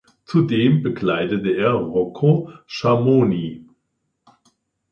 Zudem begleitete er Rocko Schamoni.